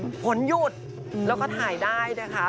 ผลหยุดแล้วก็ถ่ายได้นะคะ